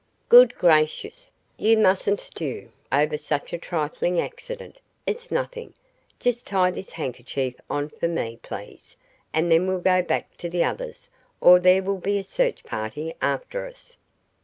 "Good gracious, you mustn't stew over such a trifling accident! It's nothing. Just tie this handkerchief on for me, please, and then we'll go back to the others or there will be a search party after us."